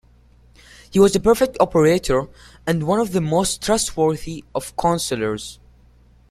He was a perfect operator, and one of the most trustworthy of counsellors.